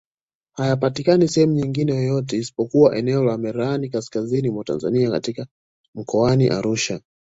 Hayapatikani sehemu nyingine yoyote isipokuwa eneo la Merelani Kaskazini mwa Tanzania katika mkoani Arusha